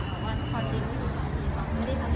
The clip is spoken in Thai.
ความจริงก็คือหนูเว้ยไม่ได้ทำอะไร